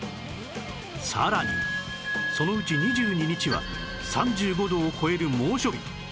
さらにそのうち２２日は３５度を超える猛暑日